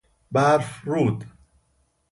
برفرود